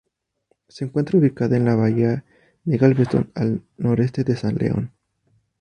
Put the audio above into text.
Se encuentra ubicada en la Bahía de Galveston, al noreste de San León.